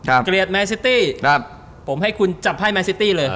เออตอนนี้เกลียดแมนซิติครับผมให้คุณจับให้แมนซิติเลยใช่